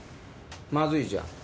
まずいじゃん。